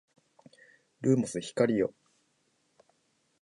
ルーモス光よ